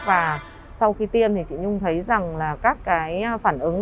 và sau khi tiêm thì chị nhung thấy rằng là các cái phản ứng